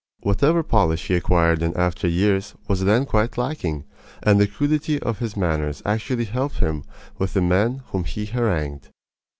Whatever polish he acquired in after years was then quite lacking; and the crudity of his manners actually helped him with the men whom he harangued.